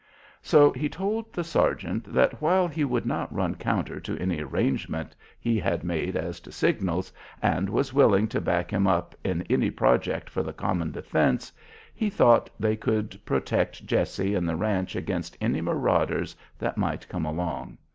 So he told the sergeant that while he would not run counter to any arrangement he had made as to signals, and was willing to back him up in any project for the common defence, he thought they could protect Jessie and the ranch against any marauders that might come along.